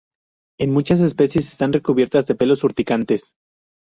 En muchas especies, están recubiertas de pelos urticantes.